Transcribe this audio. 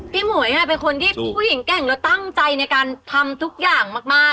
หมวยเป็นคนที่ผู้หญิงแก่งแล้วตั้งใจในการทำทุกอย่างมาก